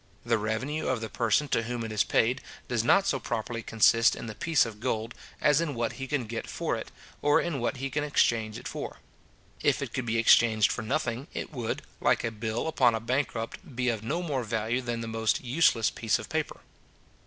The revenue of the person to whom it is paid, does not so properly consist in the piece of gold, as in what he can get for it, or in what he can exchange it for. If it could be exchanged for nothing, it would, like a bill upon a bankrupt, be of no more value than the most useless piece of paper.